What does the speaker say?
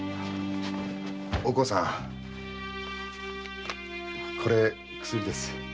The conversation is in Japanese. お甲さんこれ薬です。